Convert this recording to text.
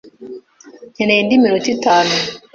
Nkeneye indi minota itanu.